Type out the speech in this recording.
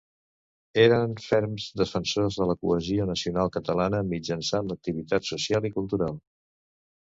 Eren ferms defensors de la cohesió nacional catalana mitjançant l'activitat social i cultural.